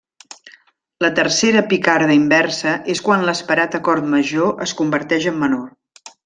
La tercera picarda inversa és quan l'esperat acord major es converteix en menor.